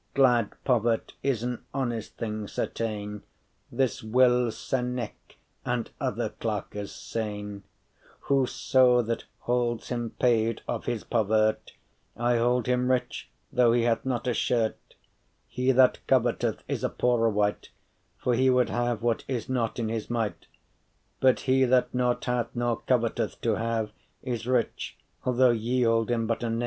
*Glad povert’* is an honest thing, certain; *poverty cheerfully This will Senec and other clerkes sayn endured* Whoso that *holds him paid of* his povert’, *is satisfied with* I hold him rich though he hath not a shirt. He that coveteth is a poore wight For he would have what is not in his might But he that nought hath, nor coveteth to have, Is rich, although ye hold him but a knave.